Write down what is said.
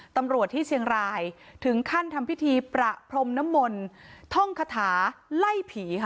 ตำรวจที่เชียงรายถึงขั้นทำพิธีประพรมน้ำมนต์ท่องคาถาไล่ผีค่ะ